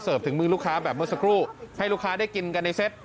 ถึงมือลูกค้าแบบเมื่อสักครู่ให้ลูกค้าได้กินกันในเซต